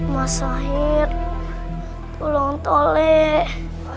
mas syahid tolong toleh